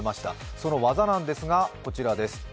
その技なんですが、こちらです。